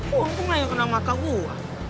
wah untung lah yang kena mata gue